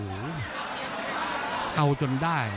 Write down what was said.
โอ้โหเอาจนได้